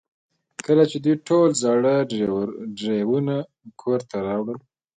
کله چې دوی ټول زاړه ډرایوونه کور ته راوړل